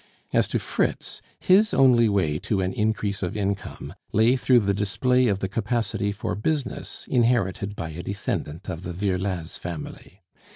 As to Fritz, his only way to an increase of income lay through the display of the capacity for business inherited by a descendant of the Virlaz family.